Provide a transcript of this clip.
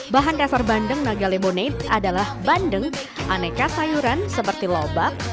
bahan dasar bandeng naga lemonate adalah bandeng aneka sayuran seperti lobak